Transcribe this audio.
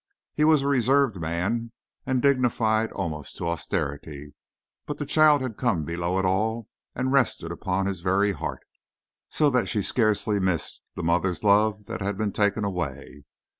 He was a reserved man, and dignified almost to austerity, but the child had come below it all and rested upon his very heart, so that she scarcely missed the mother's love that had been taken away.